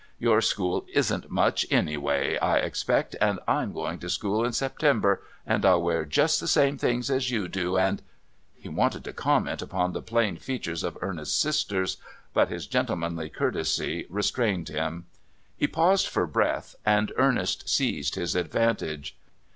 "Your school isn't much anyway, I expect, and I'm going to school in September, and I'll wear just the same things as you do and " He wanted to comment upon the plain features of Ernest's sisters, but his gentlemanly courtesy restrained him. He paused for breath, and Ernest seized his advantage.